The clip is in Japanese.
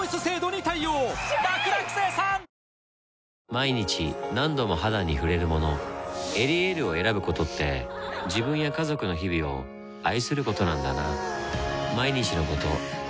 毎日何度も肌に触れるもの「エリエール」を選ぶことって自分や家族の日々を愛することなんだなぁ